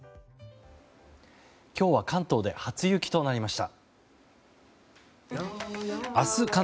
今日は関東で初雪となりました。